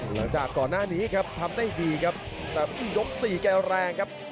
หลังจากก่อนหน้านี้ครับทำได้ดีครับแต่ยกสี่แกแรงครับ